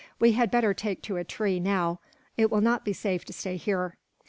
We had better take to a tree, now. It will not be safe to stay here."